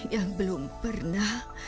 yang belum pernah